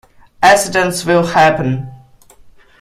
Accidents will happen.